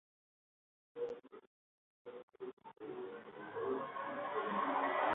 Las inflorescencias son capítulos solitarios agrupados en corimbos.